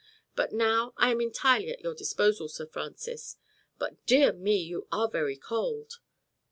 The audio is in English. But now I am entirely at your disposal, Sir Francis. But dear me, you are very cold."